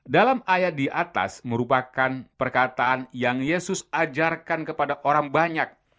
dalam ayat di atas merupakan perkataan yang yesus ajarkan kepada orang banyak